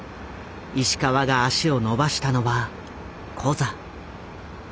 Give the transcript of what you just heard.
石川が足を延ばしたのはコザ。